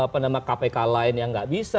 partai apa orang